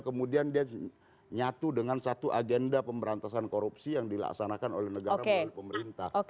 kemudian dia nyatu dengan satu agenda pemberantasan korupsi yang dilaksanakan oleh negara melalui pemerintah